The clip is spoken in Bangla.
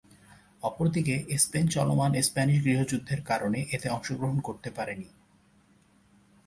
অপরদিকে, স্পেন চলমান স্প্যানিশ গৃহযুদ্ধের কারণে এতে অংশগ্রহণ করতে পারেনি।